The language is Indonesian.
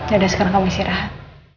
yaudah sekarang kamu istirahat